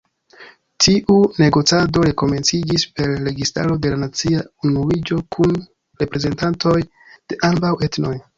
Tiu negocado rekomenciĝis per registaro de la nacia unuiĝo kun reprezentantoj de ambaŭ etnoj.